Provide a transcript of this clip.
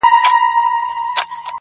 ستا له تنګ نظره جُرم دی ذاهده,